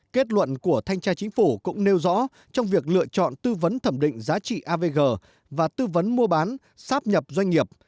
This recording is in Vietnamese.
kết luận của thanh tra chính phủ cũng nêu rõ trong việc lựa chọn tư vấn thẩm định giá trị avg và tư vấn mua bán sáp nhập doanh nghiệp